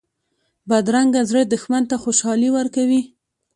بدرنګه زړه دښمن ته خوشحالي ورکوي